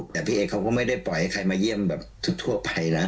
แต่พี่เอเขาก็ไม่ได้ปล่อยให้ใครมาเยี่ยมแบบทั่วไปนะ